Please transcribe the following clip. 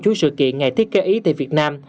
chuỗi sự kiện ngày thiết kế ý tại việt nam